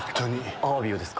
アワビをですか？